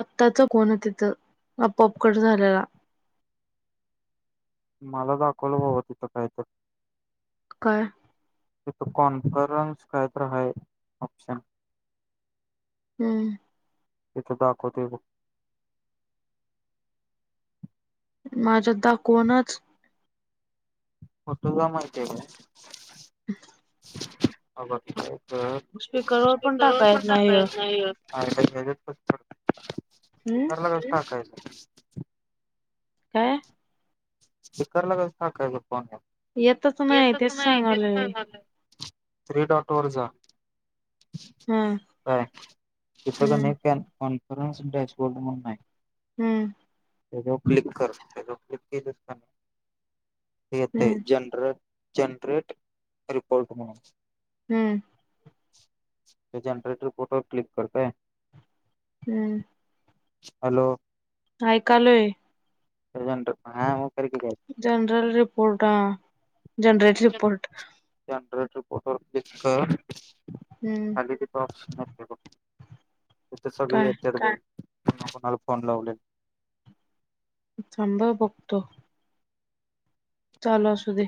आत्ताचं कोण तिथं आपपकट झालेला मला दाखवलं वव तिथं काहीत काय त कॉन्फन्स काय तर हाय ऑप्शन हम् तिथ दाखवतय ब माझ्या दाखवनाच होटुग मारतय काय हो ब ठीक हाय स्पीकरवर पण टाकाय येत नाहीय हय [unintelligible] स्पीकर हम्म ला कस टाकायच काय स्पीकरला कस टाकायच येतच नाही तेच सांगालोय थ्री डॉट वर जा हम्म काय तिथ हम्म कनी कॉन्फरनसडॅशबोर्ड मनून हम्म. ते जेव्हा क्लिक कर तेच्यावर क्लिक केल की. ह [inaudible] ये ते हम्म जनरल जनरेट रिपोर्ट म्हणून. हम्म. जनरेट रीपोर्ट वर क्लिक कर काय. हम्म. हॅलो ऐकालोय. जनरेट हा [unintelligible] जनरल रिपोर्टा आ. जनरेट रिपोर्ट जनरल रिपोर्ट वर क्लिक कर. हम्म खालीदी त अपश [unintelligible] तिथे सगळे काय येतात बघ. कोणा कोणाला फोन लावलेत. थांबा बघतो. चाल असू दे.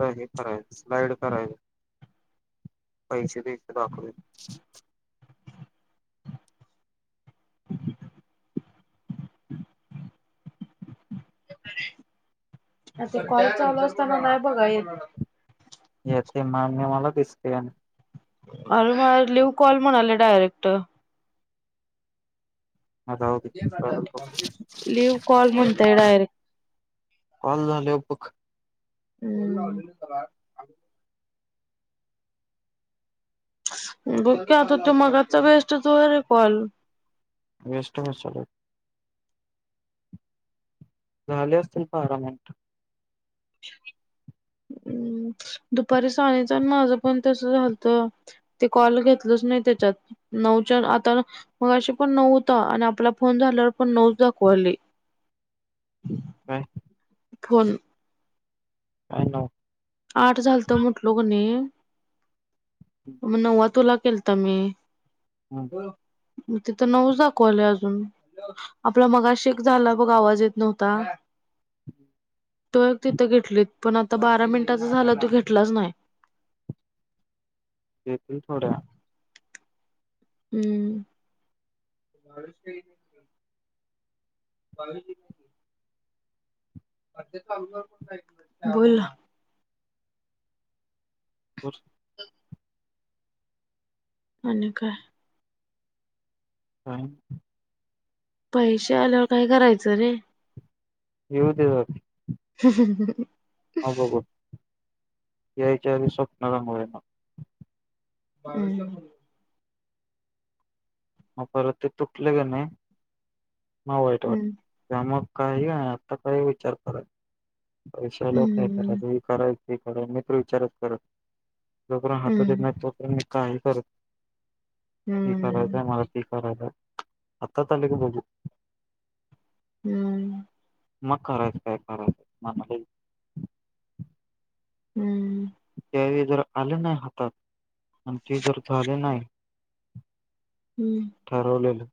ले हे करायला स्लाईड करायलो पैसे इकडे दाखवते. अ [unintelligible] आता कॉल चालू असताना नाही बघा येेत. या ते मान्य मला दिसते स्कॅन. अरे मला लिव कॉल म्हणाले डायरेक्ट. आता राहुदे लिव्ह कॉल म्हणतय कॉल झाल्यावर बघ. हम्म. बघकी आता तुम्हाला तर वेस्टच व्हय रे कॉल. वेस्ट होत चालेत. झाले असतील बारा मिनिटं. हम्म दुपारी साईचन माझं पण तस झालत ते कॉल घेतलंच नाही त्याच्यात नऊच्या आता मग अशी पण नऊ होता आणि आपला फोन झाल्यावर पण नऊच दाखुवन राहीली. काय? फोन काय नाव? आठ झालत म्हटलो म्हणे. म नवा तुला केलता मी. हम्म. मग तिथं नऊ दाखवाले अजून आपला मगाशी एक झाला बघ आवाज येत नव्हता. तो एक तिथ घेतलीत. पण आता बारा मिनिटाचा झाला तो घेतलाच नाही. येतील थोड्या वेळात. हम्. बा. बोल ना? बूस आणि काय? काय? पैसे आल्यावर काय करायचं रे? येऊदयात. हम ह ह मग बघू. याच्या आधी स्वप्नलामुळे आहे ना. हम. अ परत ते तुटलं का नाही. म वाईट वाट हम्म त्यामग. काही आहे आता काही विचार कराय [inaudible] पैशा लोकय हम्म कराय करायच [inaudible] ठीक मित्र विचारत कर [unintelligible] जोपर्यंत हातात येत हम्म नाही तो पर्यंत मी काय करर ते करायचंय मला ते करायच हातात आले की बगु हम्म मग करायचं काय करायचंय मला हम्म त्यावेळी जर आलं नाही हातात आणि ते जर झाल नाय हम्म ठरवलेलं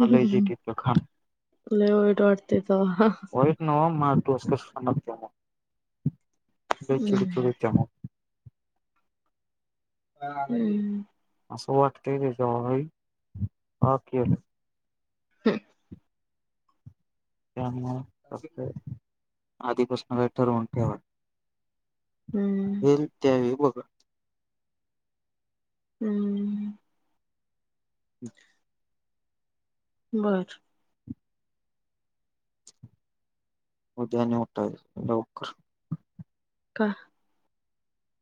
मला जे तिथलं खाण लय वाईट वाटतय तवा माझा डोस्कच सनकतय मग. लय चीड हम्म चीड हुत्या मग. हा. आस वाटतंय तेज्या का केल. ह्म. त्या सक् [inaudible] आधी प्रश्न काय ठरवून ठेवा. हे त्यावेळी बघ. ब हम्म हम् बर उद्या उटायाच लवकर का?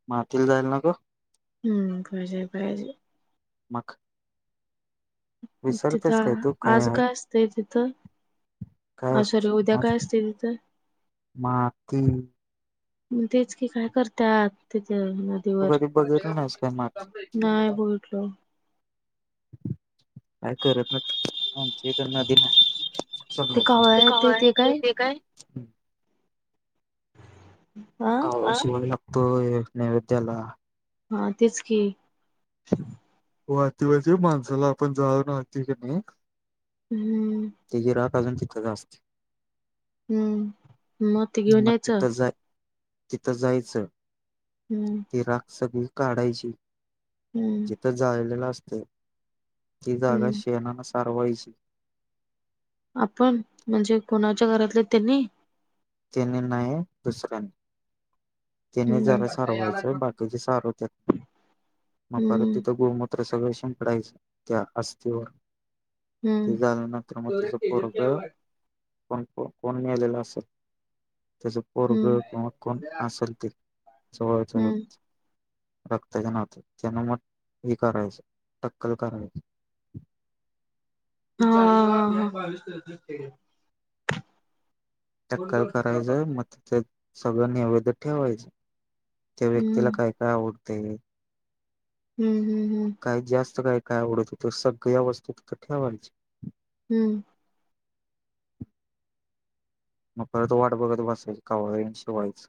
मातील जाईल ना ग. हम्म खयज पाहिजे मग? विसरतेस काय तिथं तू आज आहे काय असतय तिथं काय आ असत सॉरी उद्या आज काय असतय तिथं. माती तू म तेच की काय करत्यात तीत हम नदीवर कधी बघितलं नाहीस काय माती नाही बोल. ठ्लो [inaudible] हम [inaudible] काय करत नाही आमची नदी पण काय ते कावळा येतय ते काय? आ कावळा शिवाय लागतोय. तो एक नैवेद्याला- हा तेच की [unintelligible] माणसाला आपण [unintelligible] आनते की नाही. हम्म तेचीे रात [unintelligible] हम्म मग ते घेऊन यायचं तिथं जाय तिथं जायचं हम्म [unintelligible] काढायची हम्म. तीथ जाळलेल असतय ति जागा हम्म शेनान सा सारवाईची आपण म्हणजे कोणाच्या घरातले त्यांनी तेनी नाहीय दुसऱ्यांनी त्याने हम्म जरा हम्म सारवायचं बाकीचे सारवतात मग परत तिथं गोमुत सगळ शीपडयचं त्या अस्थीवर हम्म ते झाल्यानंतर मग तिच पोरग कोण कोण मेलेल असेल त्याच पोरग हम्म किंवा कोण असल ते जवळच हम्म रक्त च्या नात् त्यांन मग हे करायचं टक्कल करायच हा. टक्कल करायचं मग तीथे सगळ् नैवेद्य ठेवायच- त्या व्यक्तीला हम्म काय काय आवड [unintelligible] हम्म. हम्म काही जास्त काही काय आवडत होत, सगळ्या वस्तू तीथ ठेवायच्या हम्. मग परत वाट बघत बसायची कावंळ येऊन शिवायच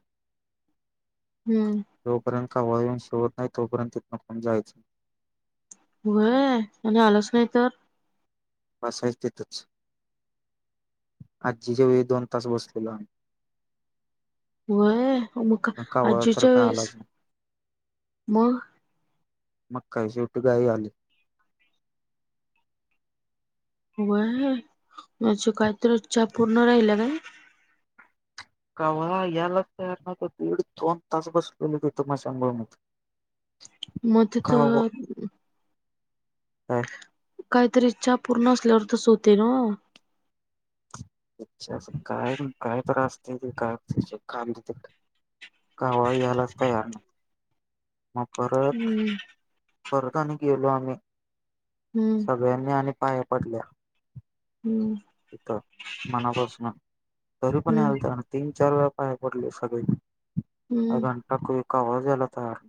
हम्म. जोपर्यंत कावळा येऊन शिवत नाही तोपर्यंत तिथंन आपण जायचं व्हय आणि आलाच नाही तर बसायच तीथच आजीच्या वेळी दोन तास बसलेलो आम्ही व्हय म का पण कावळा तर आजीच्या काय वेळेस आलाच नाही मग मग काय शेवटी गाई आली व्हय म्हजे काहीतर इच्छा अपूर्ण राहिल्या काय. कावळा यालाच तयार नव्हता, दीड दोन तास बसलेलो ह तिथ स्मशानभूमीत. म तीथ काय. काहीतरी इच्छा अपूर्ण असल्यावर तस होतय नव्ह. काय काय [unintelligible] कावळा यायलाच तयार नावता. म परत हम्म परत आणि गेलो आम्ही हम्म सग्यांळयांनी आणि पाया पडल्या. हम्म तीथ मनापासन तरी पण हम्म यायलात न ती, चार वेळा पाया पडले सगळे अं हम्म घंटा कोई कवळाच यायला तयार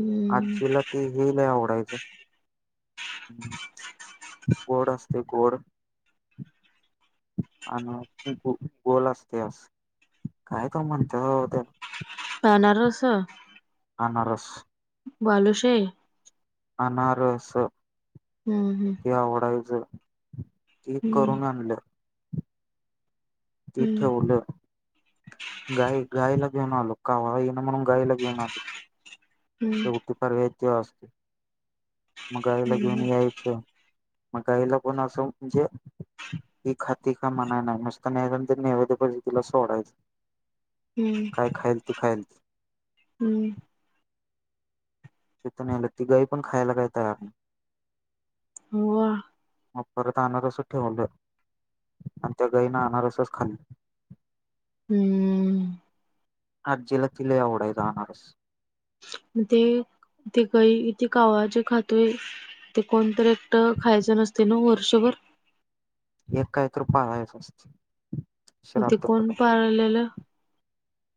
हम्म आजीला ते हे लई आवडायचं, [unintelligible] गोड असत गोड आणि गोल असतयास काय तवा म्हणत्यात बाबा तेला अनारस. अनारस. बालूशाही. अनारस. हम्म हम्म ते अवडायच. ती करून आणलं ते हम्म हम्म ठेउलं गाय गायला घेऊन आलो कावळा यीना म्हणून गायला घेऊन आलो हम्म [unintelligible] इतिहास मग, गायला घेऊन हम्म यायचं. मग गाईला पण असं म्हणजे? ती खाती का मनाय नाही नुसत. नैवेद्य, नैवेद्य पद्धतीने सोडायचं. काय खाईल ते खाईल. हम तथून आलं, ती गाई पण, खायला काही तयार नाही. मग मग, परत आनारस ठेवलं, आणि त्या गाईन आनारसच खाली. [unintelligible] आजीला ती लय आवडायचं, अनारस ते ते काही कावळा जे खातोय ते, कोणतरी एकट खायचं नसतंय, ना वर्षभर एक काही तर पाळायचं असतं. मग, ते कोण पाळलेलं.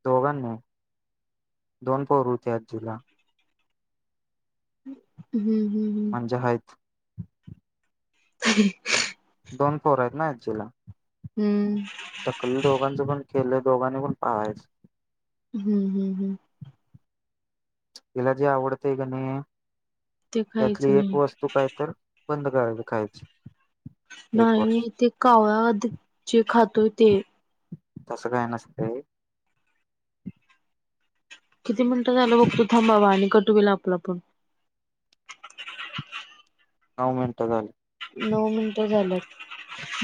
दोघांनी दोन पोरं होती. आजीला हम्म हम्म म्हणजे आहेत. [unintelligible] दोन पोर आहेत. ना आजीला हम्म हम्म टकलं दोघांचं पण, केलंय, दोघांनी पण पाळायचं. हम्म हम्म हम्म तिला जे आवडतय. कणी ते त्यातली. खायचं एक नाही वस्तू काय तर, बंद करायच खायचं. नाही. इथे कावळा जे खातोय. ते तसं काय नसतय. किती मिनिटं झालं बघतो. थांब बाबा आणि कट होईल, आपला पण नऊ मिनटं झाली. नऊ मिनिटं झाल्यात,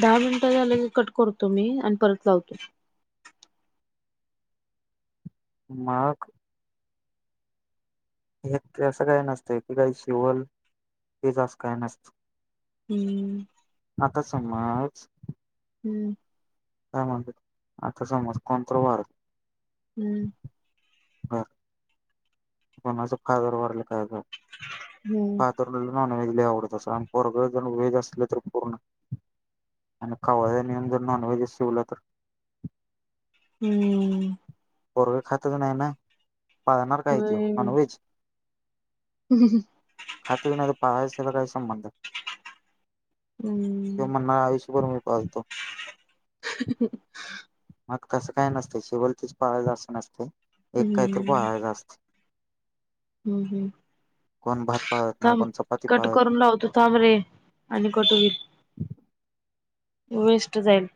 दहा मिनिटं झालं की कट करतो. मी आणि परत लावतो. मग, हे तसं काय नसतंय, जे शिवल ते अस काय नसते. हम्म आता समज हम्म काय म्हणतात. आता समज कोणतर वारलं, हम्म हा, कोणाचं फादर वारलं, काय हम्म फादरला नॉनव्हेज लई आवडत असल. आणि पोरगं जर व्हेज असलं. तर पूर्ण आणि कावळ्यांन जर नॉनवहेज शिवलं तर, हम्म पोरग खातच नाही ना. पाळणार काय तो होय. नॉनव्हेज? खातच नाही. पाहायचला काही संबंध. हम्म. त्यो म्हणणार आयुष्यभर मी पाळतो. मग तसं काय नसतंय, शिवलतीच पाळायचं असं नसतं त एक काहीतरी हम्म पाळायचं असतं हम्म कोण भात? पाळत नाही थांब कोण चपाती कट पाळत करून लावतो थांब रे आणि कट होईल. वेस्ट जाईल.